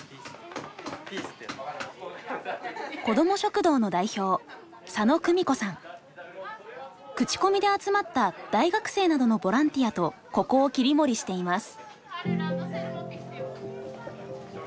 こども食堂の代表クチコミで集まった大学生などのボランティアとここを切り盛りしています。